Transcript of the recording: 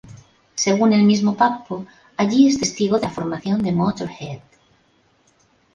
Según el mismo Pappo allí es testigo de la formación de Motörhead.